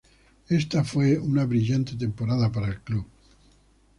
Esta fue una brillante temporada para el club.